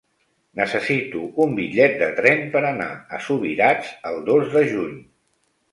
Necessito un bitllet de tren per anar a Subirats el dos de juny.